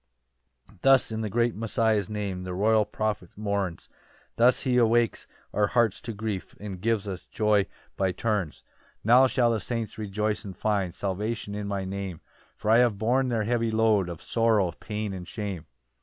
5 Thus in the great Messiah's name, The royal prophet mourns; Thus he awakes our hearts to grief, And gives us joy by turns. 6 "Now shall the saints rejoice and find "Salvation in my Name: "For I have borne their heavy load Of sorrow, pain, and shame.